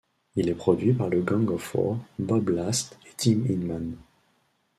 Il est produit par le Gang of Four, Bob Last et Tim Inman.